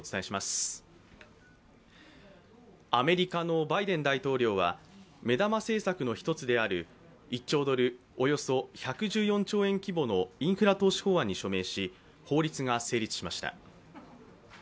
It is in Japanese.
アメリカのバイデン大統領は目玉政策の１つである１兆ドル＝およそ１１４兆円規模のインフラ投資案に署名し法律が成立しました。